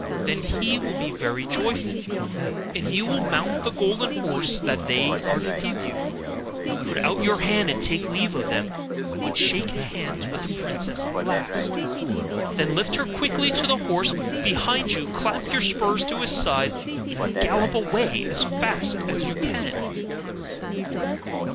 Then he will be very joyful; and you will mount the golden horse that they are to give you, and put out your hand to take leave of them; but shake hands with the princess last. Then lift her quickly on to the horse behind you; clap your spurs to his side, and gallop away as fast as you can.